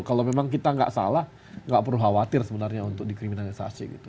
kalau memang kita nggak salah nggak perlu khawatir sebenarnya untuk dikriminalisasi gitu